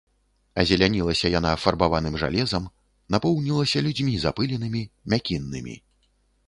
Азелянілася яна фарбаваным жалезам, напоўнілася людзьмі запыленымі, мякіннымі.